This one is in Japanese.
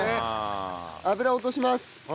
油落とします。